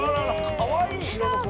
かわいい！